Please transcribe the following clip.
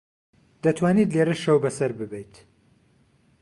دەتوانیت لێرە شەو بەسەر ببەیت.